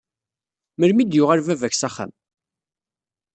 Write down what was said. Melmi i d-yuɣal baba-k s axxam?